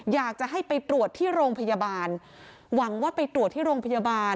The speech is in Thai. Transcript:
อยากจะให้ไปตรวจที่โรงพยาบาลหวังว่าไปตรวจที่โรงพยาบาล